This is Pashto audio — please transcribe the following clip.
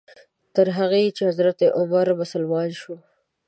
تر هغې چې حضرت عمر مسلمان شو.